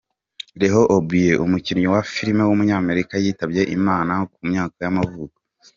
Leo O’Brien, umukinnyi wa film w’umunyamerika yitabye Imana ku myaka y’amavuko.